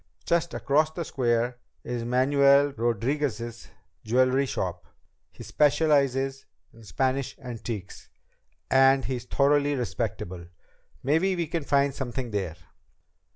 Just across the square is Manuel Rodriguez's jewelry shop. He specializes in Spanish antiques, and he's thoroughly respectable. Maybe we can find something there."